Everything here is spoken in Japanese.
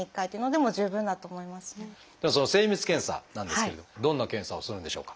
その精密検査なんですけれどもどんな検査をするんでしょうか？